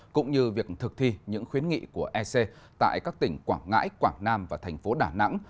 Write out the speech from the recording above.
cũng như việc thực thi những khuyến nghị của ec tại các tỉnh quảng ngãi quảng nam và thành phố đà nẵng